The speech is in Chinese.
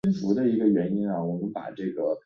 乔雅是一名素食者。